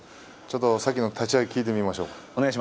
さっきの立ち合い聞いてみましょう。